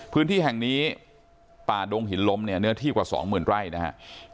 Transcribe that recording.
พื้นที่แห่งนี้ป่าดงหินลมเนื้อที่กว่า๒๐๐๐๐ไร่นะครับ